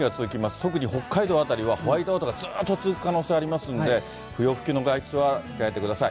特に北海道辺りは、ホワイトアウトがずっと続く可能性ありますので、不要不急の外出は控えてください。